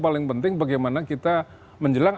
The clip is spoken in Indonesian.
paling penting bagaimana kita menjelang